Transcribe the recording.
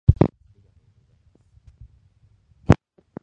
ありがとうございます。